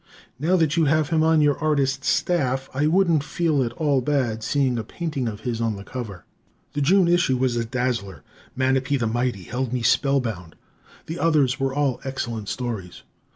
Now that you have him on your artist's staff I wouldn't feel at all bad seeing a painting of his on the cover. The June issue was a dazzler. "Manape the Mighty" held me spellbound. The others were all excellent stories.